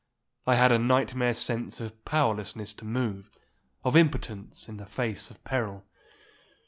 I had a nightmare sense of powerlessness to move, of impotence in the face of peril.